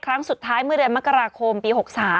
ครั้งสุดท้ายเมื่อเดือนมกราคมปี๖๓